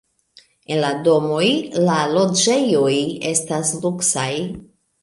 En la domoj la loĝejoj estas luksaj.